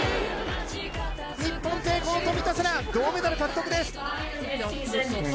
日本勢、この冨田せな銅メダル獲得です！